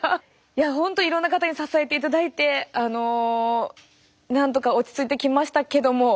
いや本当いろんな方に支えていただいてなんとか落ち着いてきましたけども。